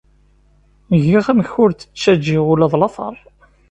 Giɣ amek ur d-ttaǧǧiɣ ula d lateṛ.